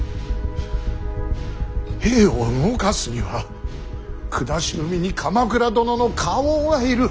兵を動かすには下文に鎌倉殿の花押がいる。